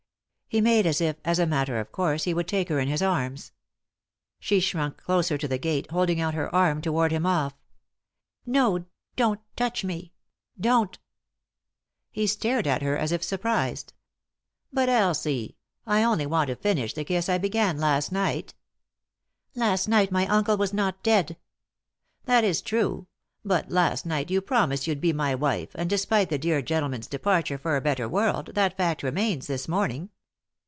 He made as it, as a matter ot course, he would take her in his arms. She shrunk closer to the gate, holding out her arm to ward him off " No 1 — don't touch me 1— don't I " He stared at her as if surprised. '9 3i 9 iii^d by Google THE INTERRUPTED KISS "But, Elsie, I only want to finish the kiss I began last night." "Last night my uncle was not dead." " That is true ; but last night you promised you'd be my wife, and, despite the dear gentleman's departure for a better world, that fact remains this morning."